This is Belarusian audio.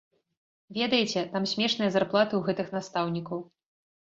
Ведаеце, там смешныя зарплаты ў гэтых настаўнікаў.